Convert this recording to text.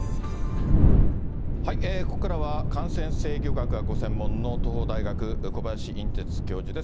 ここからは感染制御学がご専門の、東邦大学、小林寅てつ教授です。